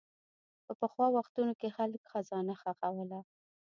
په پخوا وختونو کې خلک خزانه ښخوله.